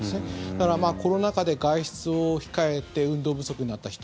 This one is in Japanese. だから、コロナ禍で外出を控えて運動不足になった人。